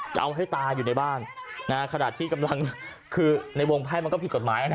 จะเอาให้ตายอยู่ในบ้านนะฮะขนาดที่กำลังคือในวงไพ่มันก็ผิดกฎหมายนะ